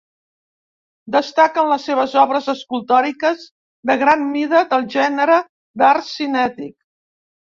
Destaquen les seves obres escultòriques de gran mida, del gènere d'art cinètic.